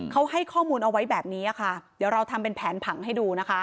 เขาให้ข้อมูลเอาไว้แบบนี้ค่ะเดี๋ยวเราทำเป็นแผนผังให้ดูนะคะ